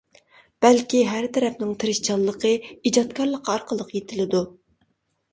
بەلكى ھەر تەرەپنىڭ تىرىشچانلىقى، ئىجادكارلىقى ئارقىلىق يېتىلىدۇ.